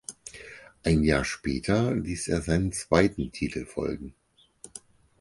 Ein Jahr später ließ er seinen zweiten Titel folgen.